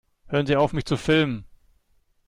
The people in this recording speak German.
Hören Sie auf, mich zu filmen!